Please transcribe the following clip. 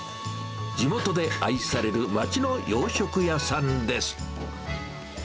地元で愛される街の洋食屋さんです。